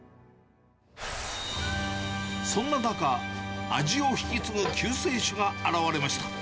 そんな中、味を引き継ぐ救世主が現れました。